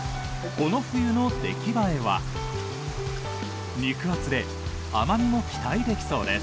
この冬の出来栄えは肉厚で甘みも期待できそうです。